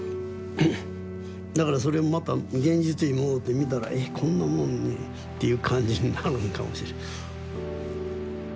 だからそれもまた現実に戻って見たらえっこんなもんに？っていう感じになるんかもしれん。